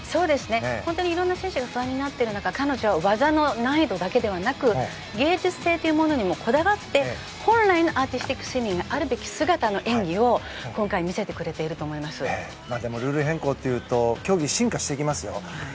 本当にいろんな選手が不安になってる中彼女は技の難易度だけでなく芸術性というものにもこだわって本来のアーティスティックスイミングのあるべき姿の演技を今回見せてくれているとルール変更というと競技は進化していきますよ。